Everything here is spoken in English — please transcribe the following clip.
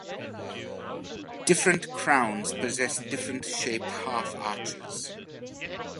Different crowns possess different shaped half arches.